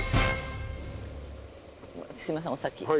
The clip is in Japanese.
すいませんお先。